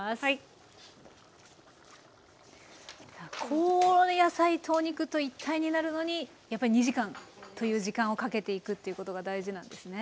こう野菜とお肉と一体になるのにやっぱり２時間という時間をかけていくということが大事なんですね。